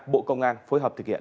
bộ công an phối hợp thực hiện